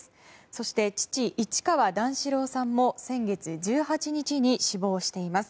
そして、父・市川段四郎さんも先月１８日に死亡しています。